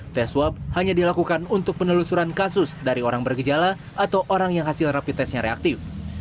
tes swab hanya dilakukan untuk penelusuran kasus dari orang bergejala atau orang yang hasil rapid testnya reaktif